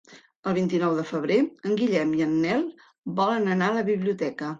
El vint-i-nou de febrer en Guillem i en Nel volen anar a la biblioteca.